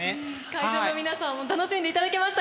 会場の皆さんも楽しんでいただけましたかね？